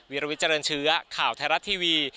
วิลวิทเจริญเชื้อข่าวไทยรัฐทีวี